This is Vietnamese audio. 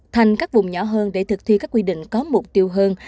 thành các vùng nhỏ hơn để thực thi các quy định có mục tiêu hơn